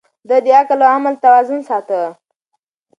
ده د عقل او عمل توازن ساته.